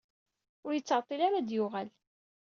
Ur yettɛeṭṭil ara ad d-yuɣal.